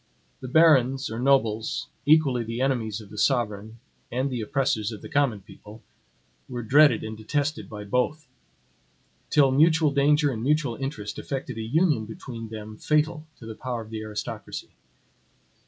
The barons, or nobles, equally the enemies of the sovereign and the oppressors of the common people, were dreaded and detested by both; till mutual danger and mutual interest effected a union between them fatal to the power of the aristocracy.